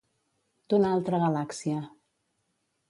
D'una altra galàxia.